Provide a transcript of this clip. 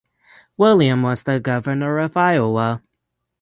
William was the Governor of Iowa.